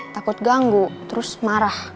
takut ganggu terus marah